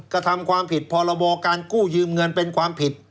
กระทำความผิดพรบการกู้ยืมเงินเป็นความผิด